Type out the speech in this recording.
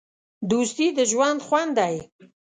دوستي د ژوند خوند دی.